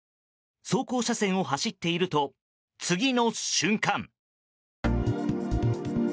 走行車線を走っていると次の瞬間。